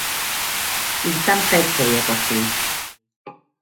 Ήταν τέτοια η εποχή